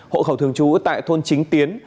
hộ khẩu thường trú tại thôn chín tiến